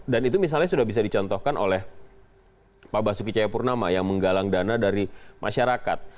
dan itu misalnya sudah bisa dicontohkan oleh pak basuki cayapurnama yang menggalang dana dari masyarakat